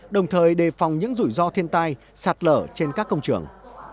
đồng thời đề phòng những rủi ro thiên tai sạt lở trên các công trường